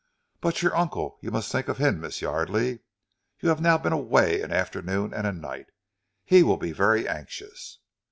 "But your uncle! You must think of him, Miss Yardely. You have now been away an afternoon and a night. He will be very anxious."